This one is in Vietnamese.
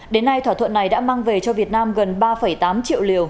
đến nay thỏa thuận này đã mang về cho việt nam gần ba tám triệu liều